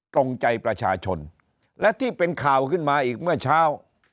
ตรงใจประชาชนและที่เป็นข่าวขึ้นมาอีกเมื่อเช้า